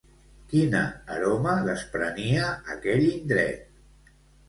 Quina aroma desprenia aquell indret?